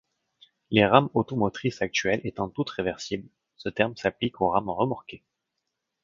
Les rames automotrices actuelles étant toutes réversibles, ce terme s'applique aux rames remorquées.